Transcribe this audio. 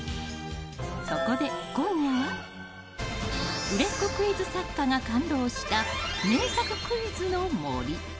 そこで今夜は売れっ子クイズ作家が感動した名作クイズの森。